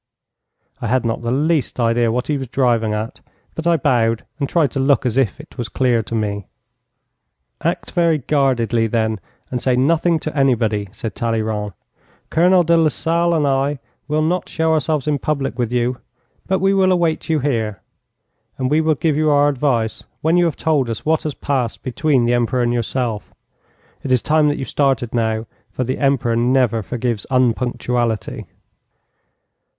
I had not the least idea what he was driving at, but I bowed and tried to look as if it was clear to me. 'Act very guardedly, then, and say nothing to anybody,' said Talleyrand. 'Colonel de Lasalle and I will not show ourselves in public with you, but we will await you here, and we will give you our advice when you have told us what has passed between the Emperor and yourself. It is time that you started now, for the Emperor never forgives unpunctuality.'